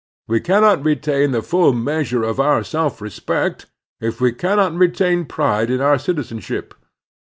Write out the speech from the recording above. We cannot retain the full measure of our self respect if we cannot retain pride in our citizenship.